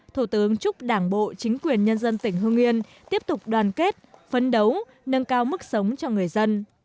thủ tướng chúc đảng bộ chính quyền nhân dân tỉnh hương yên tiếp tục đoàn kết phấn đấu nâng cao mức sống cho người dân